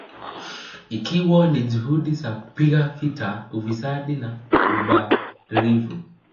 Ikiwa ni juhudi za kupiga vita ufisadi na ubadhirifu